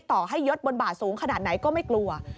ต่อให้ยดบนบ่าสูงขนาดไหนก็ไม่กลัว